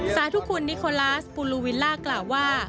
สาธุคุณนิโคลาสปูลูวิลล่ากล่าวว่า